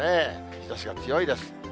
日ざしが強いです。